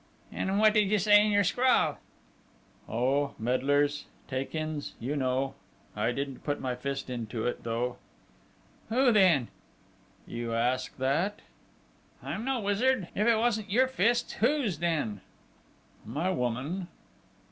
"And what did you say in your scrawl?" "Oh, medlars! Take ins! You know!... I didn't put my fist to it, though!" "Who then?" "You ask that?" "I'm no wizard! If it wasn't your fist, whose then?" "My woman...."